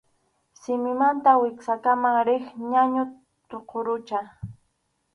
Simimanta wiksakama riq ñañu tuqurucha.